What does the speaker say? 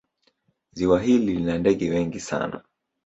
Ziwa hili lina ndege wengi sana.